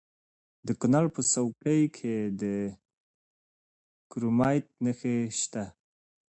د کونړ په څوکۍ کې د کرومایټ نښې شته.